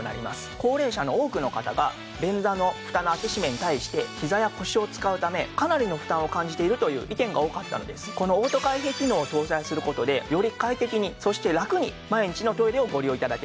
高齢者の多くの方が便座のフタの開け閉めに対してひざや腰を使うためかなりの負担を感じているという意見が多かったのでこのオート開閉機能を搭載する事でより快適にそしてラクに毎日のトイレをご利用頂けます。